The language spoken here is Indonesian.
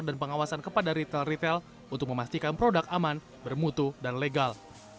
dan pengawasan kepada ritel ritel untuk memastikan produk aman bermutu dan legal